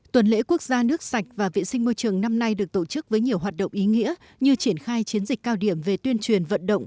tuần lễ quốc gia nước sạch và vệ sinh môi trường năm nay được tổ chức với nhiều hoạt động ý nghĩa như triển khai chiến dịch cao điểm về tuyên truyền vận động